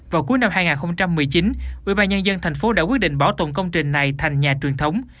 vào cuối năm hai nghìn một mươi chín ubnd tp đã quyết định bảo tồn công trình này thành nhà truyền thống